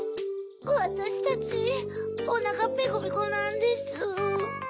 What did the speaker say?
わたしたちおなかペコペコなんです。